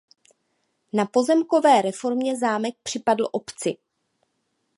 Po pozemkové reformě zámek připadl obci.